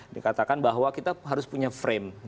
dikatakan bahwa kita harus punya frame